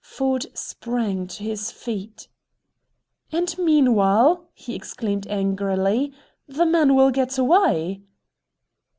Ford sprang to his feet. "And meanwhile," he exclaimed angrily, "the man will get away."